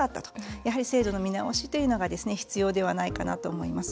やはり制度の見直しというものが必要ではないかなと思います。